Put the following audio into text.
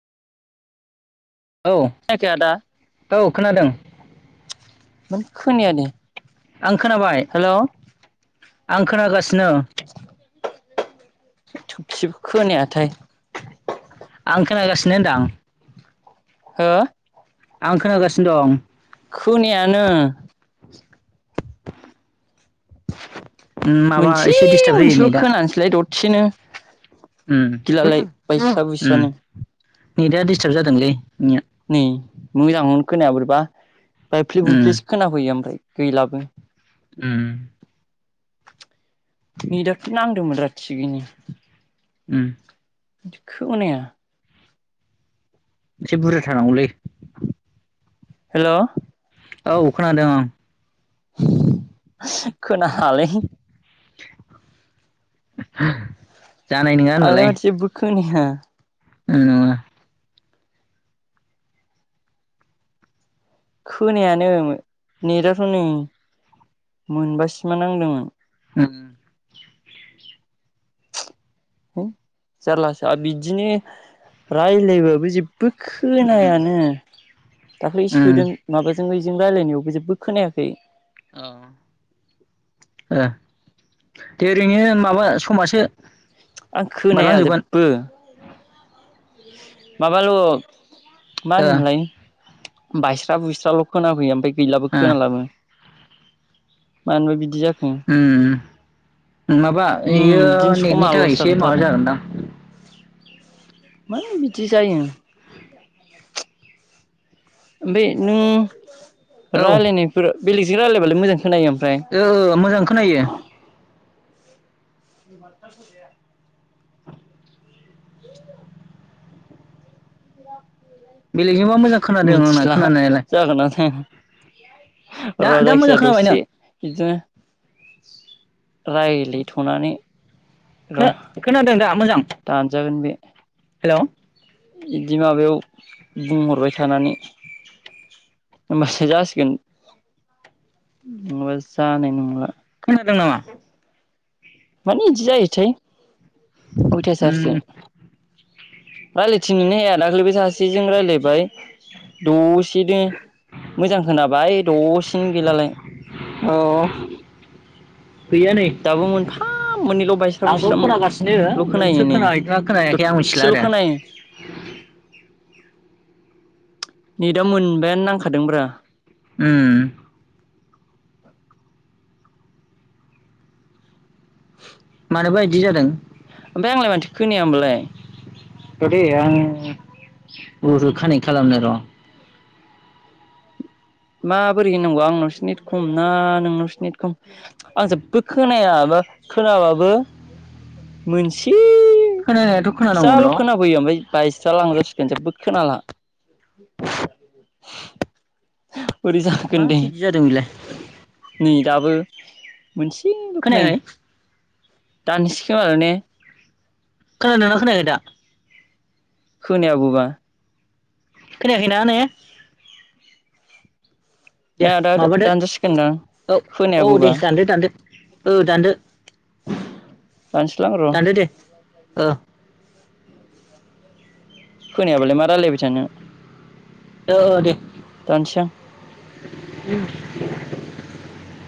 औ खोनायाखै आदा औ खोनादों। मानो खोनाया दे आं खोनाबाय आं खोनागासिनो। [unintelligible] आं खोनागासिनो होनदां। हो आं खोनागासिनो दं। खोनायानो। माबा मोनसे एसे डिस्टार्ब जायो मोनसेल' नेथआ। खोनानोसैलाय दसेनो गिलालाय बायस्रा [unintelligible] बुस्रानो नेदा दिस्टार्ब जादोंलै नोंनिया। नै मोजांखौनो खोनाया बोरैबा बायफ्ले उम बुफ्लेसो खोनाफैयो ओमफ्राय गैलाबो। उम। नेदाथ' नांदोंमोन रा थिगैनो। उम। खोनाया। एसे बुरजा थानांगौलै। हेल'। औ खोनादों आं। [unintelligible] [inaudible] आंलाय माथो जेबो खोनाया आं नङा। खोनायानो नेदाथ' नै मोनबासिमा नांदोंमोन। उम। हो जारलासो बिदिनो रायलायबाबो जे बो उम खोनायानो दाखालै उम सोदों माबा जों बेजों रायलायनायावबो जेबो खोनायाखै। ओं। ओ दे ओरैनो माबा समासो आं खोनाया बारलांजोबगोन जेबो। माबाल' मा ओ होनोमोनलाय बायस्रा बुइस्राल' खोनाफैयो ओमफाय गैलाबो ओ खोनालाबो। मानोबा बिदि जाखो उम माबा उम ओइयो बिदिनो समा नेटनि थाखाय लस एसे जागोनथ' माबा आरो जागोनदां। मानो बिदि जायो। ओमफ्राय नों औ राय्लायनायफोरा बेलेगजों रायलायबालाय मोजां खोनायो ओमफ्राय। ओ मोजां खोनायो। [unintelligible] बेलगजोंबा मोजां खोनादों आंना मिथिला खोनानायालाय जागोना जाया दा र' दा मोजां जायखिजाया खोनाबाय नों दसे बिदिनो राय्लायथ'नानै खो-खोनादों दा मोजां? दानजागोन बे। हेल' बिदि माबायाव बुंहरबाय थानानै होमबासो जासिगोन नङाबा जानाय नंला‌। खोनादों नामा? मानो इदि जायोथाय अयथासारसो। उम रायलायथिंनोनो हाया दाख्लैबो सासेजों रायलायबाय दसेनो मोजां खोनाबाय दसेनो गैलालाय। अ गैया नै दाबो मोनफा मोननैल' बायस्रा आंथ' बुस्राल' खोनागासिनो खोनायो नोंसो नै खोनाहैदना खोनाहैयाखै आं मिथिला दसेल' आरो। खोनायो नेदा मोनबायानो नांखादोंब्रा। उम मानोबा इदि जादों। ओमफाय आंलाय मानोथो खोनाया होमबालाय। र'दे आं ब्लुथुथ कानेक्ट खालामनो र'। माबोरै होननांगौ आंनावसो नेट खम ना नोंनावसो नेट खम। आं जेब्बो खोनाया बा खोनाबाबो मोनसे खोनानायाथ' खोनानांगौल' फिसाल' खोनाफैयो ओमफाय बायस्रालांजाजोबसिगोन जेबो लांजोबसिगोन जेब्बो खोनाला। बोरै जागोन दे माथो इदि जादों बेलाय नै दाबो मोनसेल' खोनायो खोनायाखै दाननिसै खोमादां ने? खोनादोंना खोनायाखै दा? खोनायाबोबा। खोनायाखैना ने? दे ना दा माबादो दानजासिगोनदां औ औ खोनायाबोबा दे दानदो दानदो ओ दानदो। दानसैलां र' दानदो दे ओ। खोनायाबालाय मा रायलायबाय थानो। ओ ओ दे। दानसै आं।